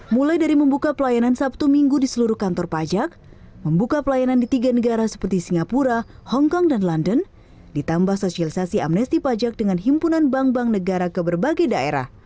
mulai dari membuka pelayanan sabtu minggu di seluruh kantor pajak membuka pelayanan di tiga negara seperti singapura hongkong dan london ditambah sosialisasi amnesti pajak dengan himpunan bank bank negara ke berbagai daerah